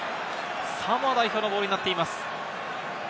サモア代表のボールになっています。